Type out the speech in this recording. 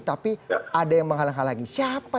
tapi ada yang menghalang halangi siapa